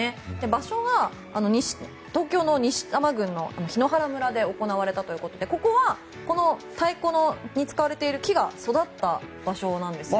場所は東京の西多摩郡の檜原村で行われたということでこれはこの太鼓に使われている木が育った場所なんです。